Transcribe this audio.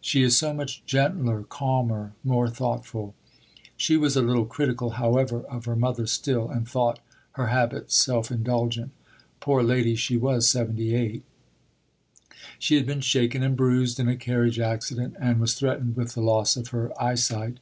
She is so much gentler, calmer, more thoughtful." She was a little critical, however, of her mother still, and thought her habits self indulgent. Poor lady! she was 78; she had been shaken and bruised in a carriage accident, and was threatened with the loss of her eye sight.